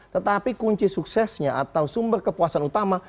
tetapi kunci suksesnya atau sumber kepuasan utama